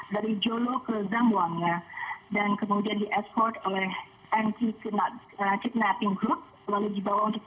dan dikabarkan pendebasan yang bersangkutan terkait dengan ransom yang telah dibayarkan